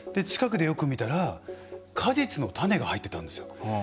近くでよく見たら果実の種が入ってたんですよ。